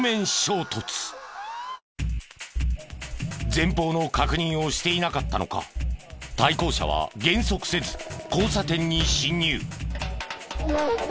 前方の確認をしていなかったのか対向車は減速せず交差点に進入。